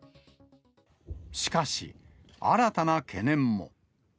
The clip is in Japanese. しかし、新たな懸念も。